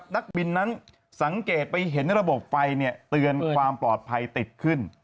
นักบินนั้นสังเกตไปเห็นระบบไฟเตือนความปลอดภัยติดขึ้น